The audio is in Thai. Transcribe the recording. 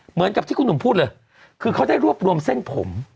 เหมือนกับที่คุณหนุ่มพูดเลยคือเขาได้รวบรวมเส้นผม